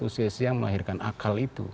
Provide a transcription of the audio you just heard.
seribu tiga ratus csi melahirkan akal itu